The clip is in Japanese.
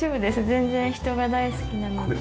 全然人が大好きなので。